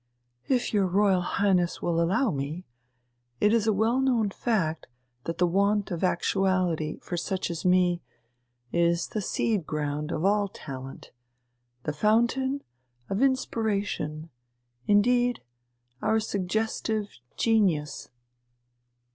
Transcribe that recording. "If your Royal Highness will allow me.... It is a well known fact that the want of actuality for such as me is the seed ground of all talent, the fountain of inspiration, indeed our suggestive genius.